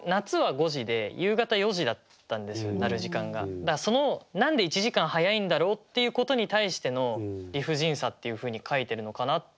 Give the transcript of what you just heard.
だからその何で１時間早いんだろうっていうことに対しての理不尽さっていうふうに書いてるのかなって。